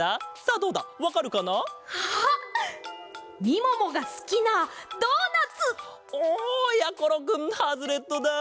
みももがすきなドーナツ！おおやころくんハズレットだ。